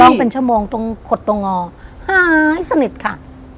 ต้องเป็นชั่วโมงตรงขดตรงงอหายสนิทค่ะ